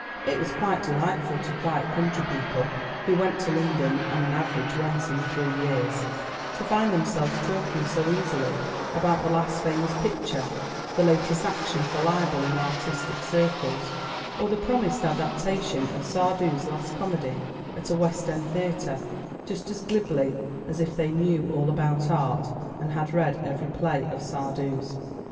It was quite delightful to quiet country people, who went to London on an average once in three years, to find themselves talking so easily about the last famous picture, the latest action for libel in artistic circles, or the promised adaptation of Sardou's last comedy at a West End theatre, just as glibly as if they knew all about art, and had read every play of Sardou's.